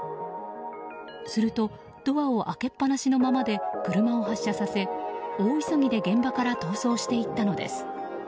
するとドアを開けっぱなしのままで車を発車させ大急ぎで現場から逃走していったのです。